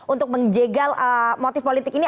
untuk menjegal motif politik ini